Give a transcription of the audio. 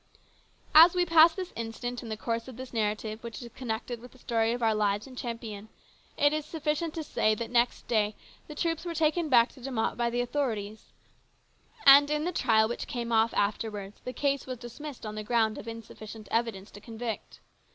As we pass this incident in the course of this narrative which is connected with the story of our lives in Champion, it is sufficient to say that next day the troops were taken back to De Mott by the authorities, and in the trial which came off afterwards the case was dismissed on the ground of insufficient evidence to convict.